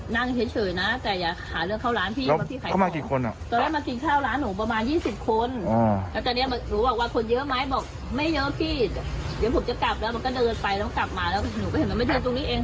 มันก็เดินไปแล้วก็กลับมาแล้วหนูก็เห็นมันไม่เดินตรงนี้เอง